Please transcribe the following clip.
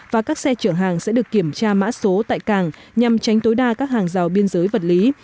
và các xe chở hàng sẽ được kiểm tra mã số tại cảng nhằm tránh tối đa các hàng rào biên giới vật lý